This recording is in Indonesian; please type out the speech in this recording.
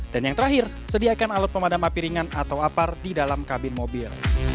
dan yang terakhir sediakan alat pemadam api ringan atau apar di dalam kabin mobil